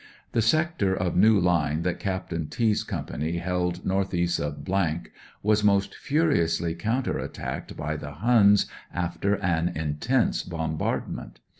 The sector of new line that Captain T 's company held north east of was most furiously counter attacked by the Hims after an intense bombardment.